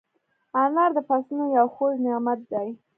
انار د فصلونو یو خوږ نعمت دی.